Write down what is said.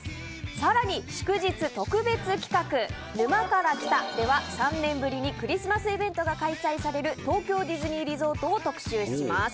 更に祝日特別企画「沼から来た。」では３年ぶりにクリスマスイベントが開催される東京ディズニーリゾートを特集します。